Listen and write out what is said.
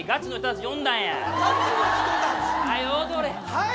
はい？